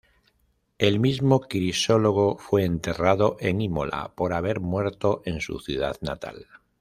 El mismo Crisólogo fue enterrado en Imola, por haber muerto en su ciudad natal.